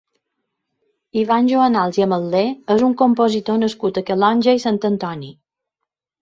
Ivan Joanals i Ametller és un compositor nascut a Calonge i Sant Antoni.